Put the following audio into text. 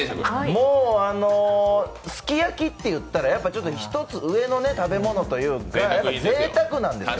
もう、すき焼きって言ったら一つ上の食べ物というか、ぜいたくなんですよ。